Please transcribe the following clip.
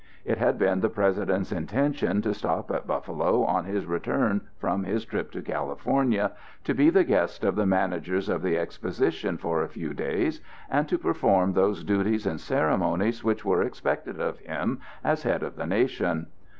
It had been the President's intention to stop at Buffalo on his return from his trip to California, to be the guest of the managers of the Exposition for a few days, and to perform those duties and ceremonies which were expected of him as head of the nation.